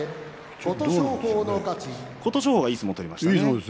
琴勝峰はいい相撲を取りました。